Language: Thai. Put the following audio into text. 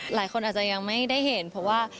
หลายคนอาจจะยังไม่ได้เห็นเพราะว่า